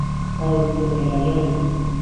راو له کۆنه لاجانێ